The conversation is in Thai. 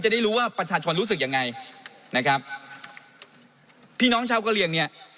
ได้รู้ว่าประชาชนรู้สึกยังไงนะครับพี่น้องชาวกะเหลี่ยงเนี่ย